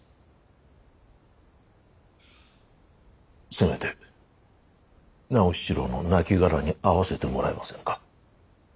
せめて直七郎の亡骸に会わせてもらえませぬか？